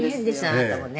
あなたもね」